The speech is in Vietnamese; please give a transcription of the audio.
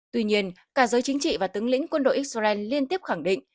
tuy nhiên cả giới chính trị và tướng lĩnh quân đội israel liên tiếp khẳng định